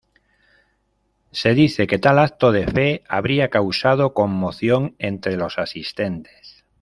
Se dice que tal acto de fe, habría causado conmoción entre los asistentes.